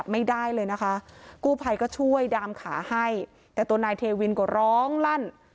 ไม่ได้เลยนะคะกู้ภัยก็ช่วยดามขาให้แต่ตัวนายเทวินก็ร้องลั่น